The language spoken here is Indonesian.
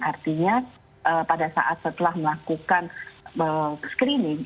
artinya pada saat setelah melakukan screening